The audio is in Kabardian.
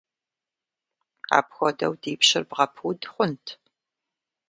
Апхуэдэу ди пщыр бгъэпуд хъунт!